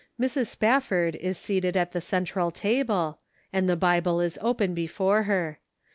Mrs. Spafford is seated at the central table, and the Bible is open before her.